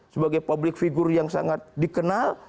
sebagai public figure yang sangat dikenal